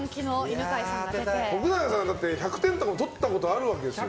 徳永さん、１００点とか取ったことあるわけですよね。